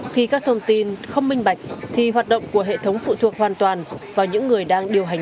khi các thông tin không minh bạch thì hoạt động của hệ thống phụ thuộc hoàn toàn vào những người đang điều hành